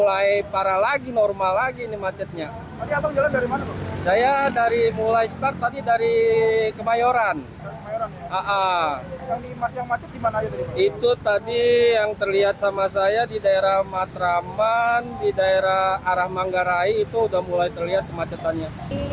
arah manggarai itu sudah mulai terlihat kemacetannya